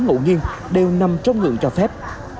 ngộ nghiêng đều nằm trong ngưỡng cho phép